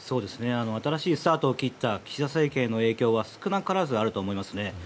新しいスタートを切った岸田政権への影響は少なからずあると思います。